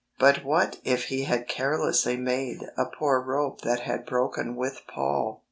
But what if he had carelessly made a poor rope that had broken with Paul